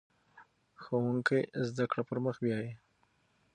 ښوونکی زده کړه پر مخ بیايي.